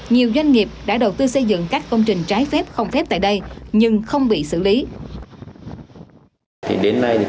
nhiều doanh nghiệp đã đầu tư xây dựng các công trình trái phép không phép tại đây nhưng không bị xử lý